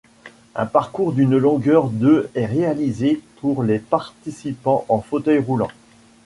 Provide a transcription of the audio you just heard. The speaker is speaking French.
Un parcours d'une longueur de est réalisé pour les participants en fauteuil roulant.